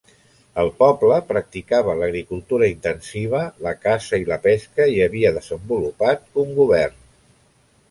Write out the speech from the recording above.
El poble practicava l'agricultura intensiva, la caça i la pesca, i havia desenvolupat un govern.